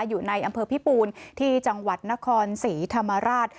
อยู่ในอำเภอพิปูนที่จังหวัดนครศรีธรรมราช